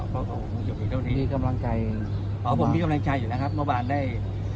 เพราะผมมีกำลังใจอยู่นะครับเมื่อวานได้